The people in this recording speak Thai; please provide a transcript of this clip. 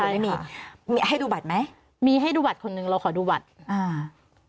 ไม่มีมีให้ดูบัตรไหมมีให้ดูบัตรคนหนึ่งเราขอดูบัตรอ่า